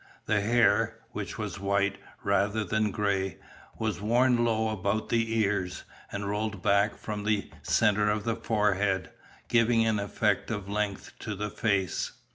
The hair, which was white, rather than gray, was worn low about the ears, and rolled back from the centre of the forehead, giving an effect of length to the face.